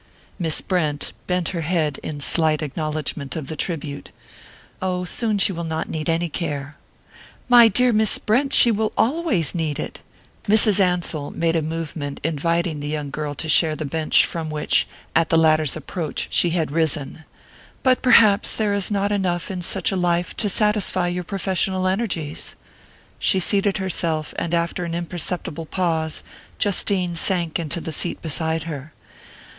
Miss Brent bent her head in slight acknowledgment of the tribute. "Oh, soon she will not need any care " "My dear Miss Brent, she will always need it!" Mrs. Ansell made a movement inviting the young girl to share the bench from which, at the latter's approach, she had risen. "But perhaps there is not enough in such a life to satisfy your professional energies." She seated herself, and after an imperceptible pause Justine sank into the seat beside her.